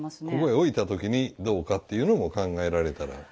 ここへ置いたときにどうかっていうのも考えられたら。